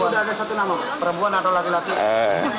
jadi sudah ada satu nama pak perempuan atau laki laki